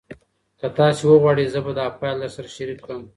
که تاسي وغواړئ زه به دا فایل درسره شریک کړم.